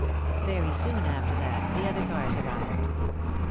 Very soon after that the other cars arrived.